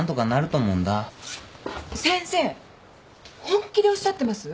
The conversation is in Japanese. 本気でおっしゃってます？